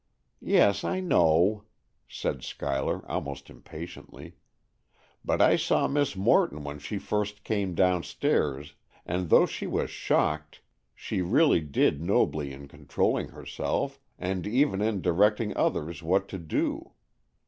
"Yes, I know," said Schuyler almost impatiently. "But I saw Miss Morton when she first came downstairs, and though she was shocked, she really did nobly in controlling herself, and even in directing others what to do.